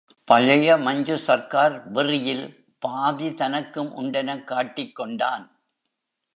பழைய மஞ்சு சர்க்கார் வெறியில் பாதி தனக்கும் உண்டெனக் காட்டிக்கொண்டான்.